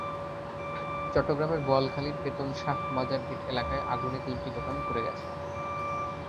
চট্টগ্রামের বোয়ালখালীর পেতন শাহ মাজার গেট এলাকায় আগুনে তিনটি দোকান পুড়ে গেছে।